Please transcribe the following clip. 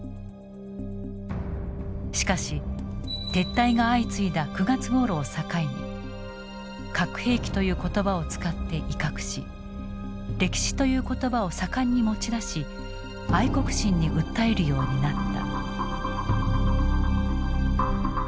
しかし撤退が相次いだ９月ごろを境に「核兵器」という言葉を使って威嚇し「歴史」という言葉を盛んに持ち出し愛国心に訴えるようになった。